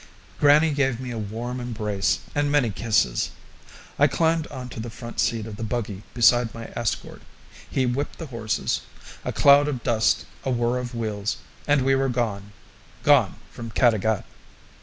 Grannie gave me a warm embrace and many kisses. I climbed on to the front seat of the buggy beside my escort, he whipped the horses a cloud of dust, a whirr of wheels, and we were gone gone from Caddagat!